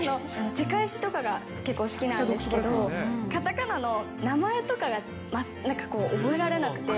世界史とかが結構好きなんですけど、カタカナの名前とかがなんかこう、覚えられなくて。